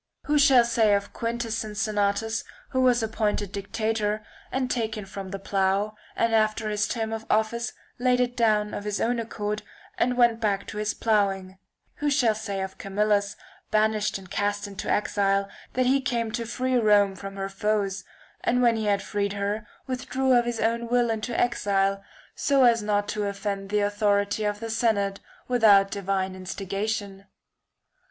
[1303 Who shall say of Quintus Cincinnatus, who was appointed dictator and taken from the plough, and after his term of office laid it down of his own accord, and went back to his ploughing ; who shall say of Camillus, banished and cast into exile, that he came to free Rome from her foes, and when he had freed , her withdrew of his own will into exile so as not 250 THE CONVIVIO Ch. Divine to offend the authority of the senate, without protection divine instigation?